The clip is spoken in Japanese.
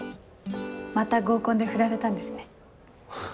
また合コンでフラれたんですね。